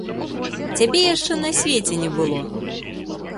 Цябе яшчэ на свеце не было.